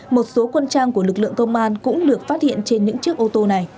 một số quân trang của lực lượng công an cũng được phát hiện trên những chiếc ô tô này